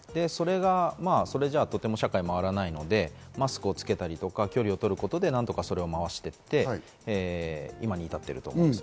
それじゃあとても社会が回らないのでマスクをつけたり距離をとることで回していって今に至っていると思うんです。